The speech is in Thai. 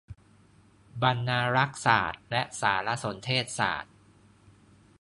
บรรณารักษศาสตร์และสารสนเทศศาสตร์